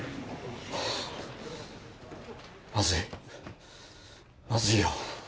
まずいまずいよ。